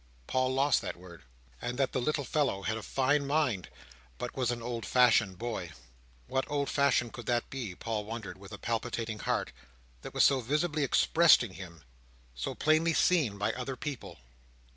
Paul lost that word. And that the little fellow had a fine mind, but was an old fashioned boy. What old fashion could that be, Paul wondered with a palpitating heart, that was so visibly expressed in him; so plainly seen by so many people!